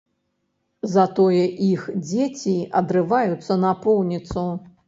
Затое іх дзеці адрываюцца напоўніцу.